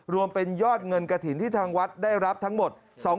รวมเป็นยอดเงินกระถิ่นที่ทางวัดได้รับทั้งหมด